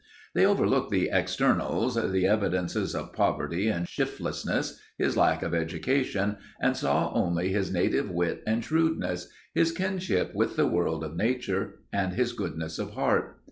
They overlooked the externals, the evidences of poverty and shiftlessness, his lack of education, and saw only his native wit and shrewdness, his kinship with the world of nature, and his goodness of heart.